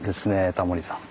タモリさん。